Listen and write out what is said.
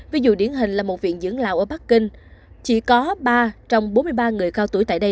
ví dụ điển hình là một viện dưỡng lào ở bắc kinh chỉ có ba trong bốn mươi ba người cao tuổi tại đây